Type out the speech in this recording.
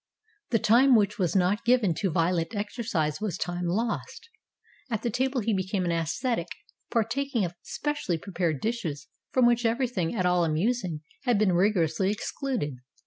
The time which was not given to violent exercise was time lost. At the table he became an ascetic, partaking of specially prepared dishes from which everything at all amusing had been rigorously excluded.